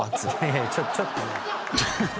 ちょっと。